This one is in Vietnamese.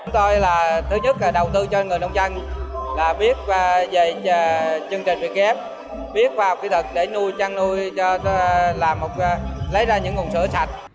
chúng tôi đầu tư cho người nông dân viết về chương trình vkf viết vào kỹ thuật để nuôi trang nuôi lấy ra những nguồn sữa sạch